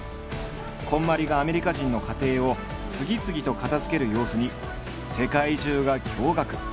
こんまりがアメリカ人の家庭を次々と片づける様子に世界中が驚愕。